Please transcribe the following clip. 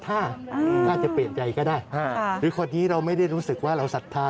อาจจะถึงขนาดว่า